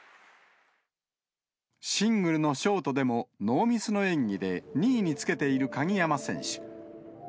シングルのショートでもノーミスの演技で２位につけている鍵山選手。